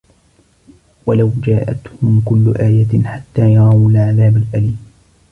وَلَوْ جَاءَتْهُمْ كُلُّ آيَةٍ حَتَّى يَرَوُا الْعَذَابَ الْأَلِيمَ